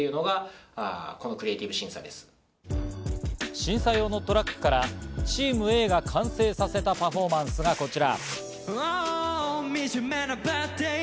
審査用のトラックからチームＡが完成させたパフォーマンスがこちら。